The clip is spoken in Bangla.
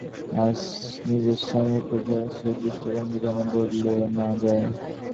আজ নিজের স্বামীর প্ররোচনায় সে দৃষ্টিভঙ্গি যেন বদলে না যায়।